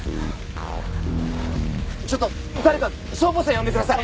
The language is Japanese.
ちょっと誰か消防車呼んでください！